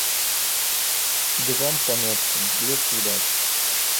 Ды вам, паночку, лепш відаць!